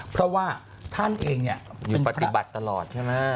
เพราะว่าท่านเองหยุดปฏิบัติตลอดใช่ไหม